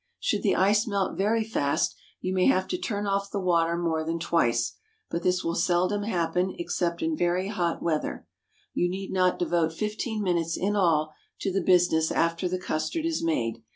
Should the ice melt very fast, you may have to turn off the water more than twice; but this will seldom happen except in very hot weather. You need not devote fifteen minutes in all to the business after the custard is made.